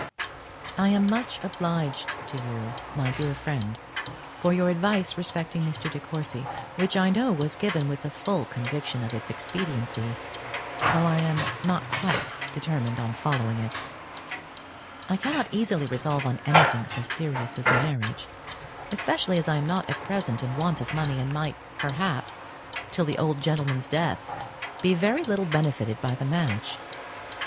I am much obliged to you, my dear Friend, for your advice respecting Mr. De Courcy, which I know was given with the full conviction of its expediency, though I am not quite determined on following it. I cannot easily resolve on anything so serious as marriage; especially as I am not at present in want of money, and might perhaps, till the old gentleman's death, be very little benefited by the match.